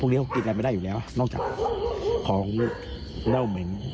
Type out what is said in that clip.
ล่อมนี้เป็นยังไงค่ะหมอปลา